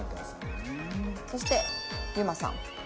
そして遊馬さん。